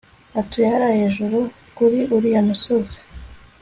Atuye hariya hejuru kuri uriya musozi